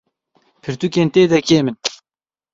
Pirtûkên tê de kêm in.